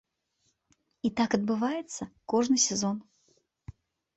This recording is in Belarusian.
І так адбываецца кожны сезон!